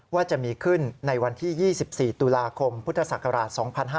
ว่าจะมีขึ้นในวันที่๒๔ตุลาคมพุทธศักราช๒๕๕๙